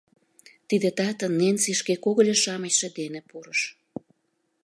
Тиде татын Ненси шке когыльо-шамычше дене пурыш.